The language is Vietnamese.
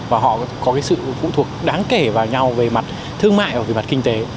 và họ có cái sự phụ thuộc đáng kể vào nhau về mặt thương mại và về mặt kinh tế